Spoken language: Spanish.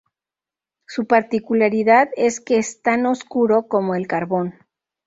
Su particularidad es que es tan oscuro como el carbón.